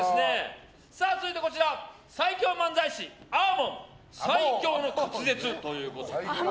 続いて最強漫才師あー門最強の滑舌ということで。